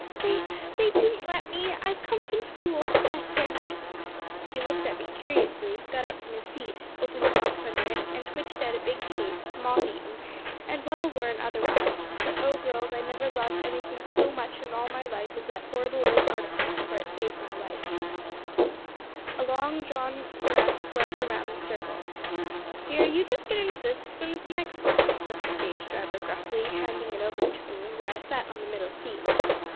"'They they didn't let me I've come from school,' I stammered. "He looked at me curiously, got up from his seat, opened a box under it, and twitched out a big cape, moth eaten, and well worn otherwise; but oh, girls, I never loved anything so much in all my life as that horrible old article, for it saved my life." A long drawn breath went around the circle. "'Here, you just get into this as soon as the next one,' said the stage driver gruffly, handing it over to me where I sat on the middle seat.